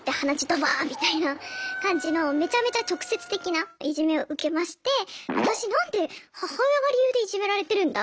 ドバーッみたいな感じのめちゃめちゃ直接的ないじめを受けまして私何で母親が理由でいじめられてるんだ？